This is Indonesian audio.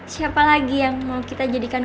siapa lagi yang mau kita jadikan